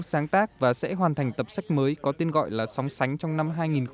sáng tác và sẽ hoàn thành tập sách mới có tên gọi là sóng sánh trong năm hai nghìn hai mươi